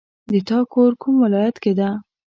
د تا کور کوم ولایت کې ده